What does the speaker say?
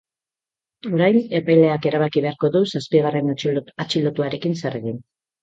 Orain epaileak erabaki beharko du zazpigarren atxilotuarekin zer egin.